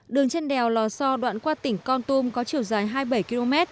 đường trên đèo lò so đoạn qua tỉnh con tum có chiều dài hai mươi bảy km